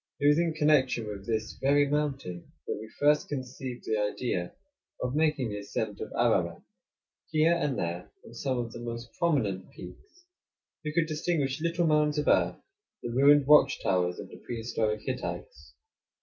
It was in connection with this very mountain that we first conceived the idea of making the ascent of Ararat. Here and there, on some of the most prominent peaks, we could distinguish little mounds of earth, the ruined watch towers of the prehistoric Hittites.